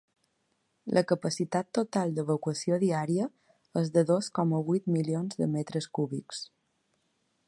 La capacitat total d’evacuació diària és de dos coma vuit milions de metres cúbics.